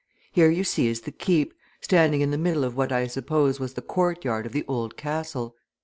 Here you see is the Keep, standing in the middle of what I suppose was the courtyard of the old castle.